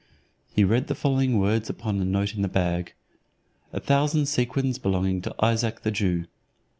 He read the following words upon a note in the bag: "A thousand sequins belonging to Isaac the Jew."